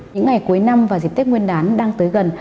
những ngày cuối năm và dịp tết nguyên đán đang tới gần